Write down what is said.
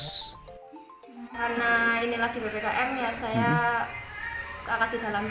karena ini lagi ppkm ya saya akad di dalam bus